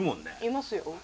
いますよ。